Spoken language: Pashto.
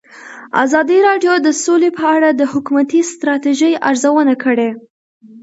ازادي راډیو د سوله په اړه د حکومتي ستراتیژۍ ارزونه کړې.